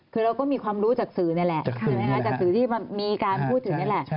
คือเราก็มีความรู้จากสื่อนี่แหละใช่ไหมคะจากสื่อที่มันมีการพูดถึงนี่แหละ